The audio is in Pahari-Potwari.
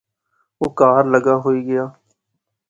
اہ کہھر لگا ہوئی گیا